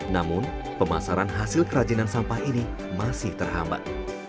namun pemasaran hasil kerajinan sampah ini masih terhambat